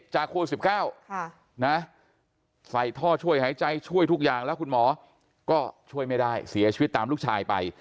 โควิด๑๙ใส่ท่อช่วยหายใจช่วยทุกอย่างแล้วคุณหมอก็ช่วยไม่ได้เสียชีวิตตามลูกชายไป